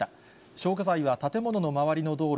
消火剤は建物の周りの道路